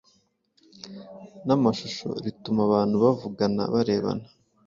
namashusho rituma abantu bavugana barebana